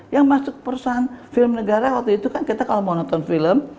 yang masuk perusahaan film negara waktu itu kan kita kalau mau nonton film